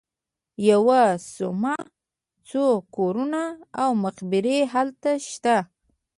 یوه صومعه، څو کورونه او مقبرې هلته شته.